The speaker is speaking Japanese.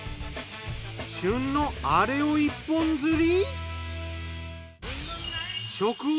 旬のアレを一本釣り！？